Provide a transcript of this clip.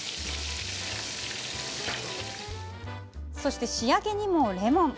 そして仕上げにもレモン。